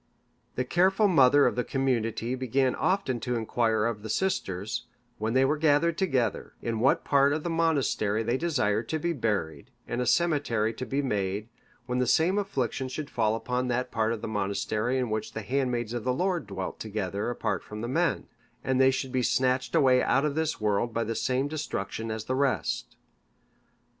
The careful mother of the community began often to inquire of the sisters, when they were gathered together; in what part of the monastery they desired to be buried and a cemetery to be made, when the same affliction should fall upon that part of the monastery in which the handmaids of the Lord dwelt together apart from the men, and they should be snatched away out of this world by the same destruction as the rest.